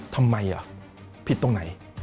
ทำไมผิดตรงไหน